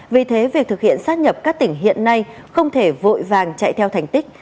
vì thế việc thực hiện sát nhập các tỉnh hiện nay không thể vội vàng chạy theo thành tích